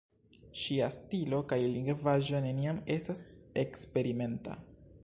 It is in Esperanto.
Ŝia stilo kaj lingvaĵo neniam estas eksperimenta.